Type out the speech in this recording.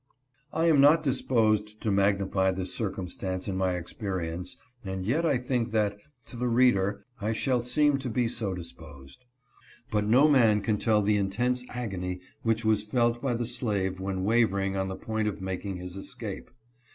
201 I am not disposed to magnify this circumstance in my experience, and yet I think that, to the reader, I shall seem to be so disposed. But no man can tell the intense agony which was felt by the slave when wavering on the point of making his escape.